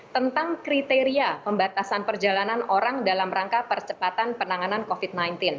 tentang kriteria pembatasan perjalanan orang dalam rangka percepatan penanganan covid sembilan belas